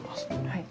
はい。